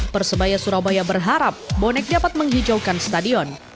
persebaya surabaya berharap bonek dapat menghijaukan stadion